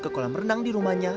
ke kolam renang di rumahnya